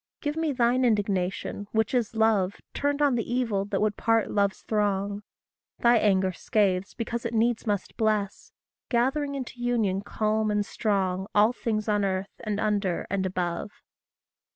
Give me thine indignation which is love Turned on the evil that would part love's throng; Thy anger scathes because it needs must bless, Gathering into union calm and strong All things on earth, and under, and above.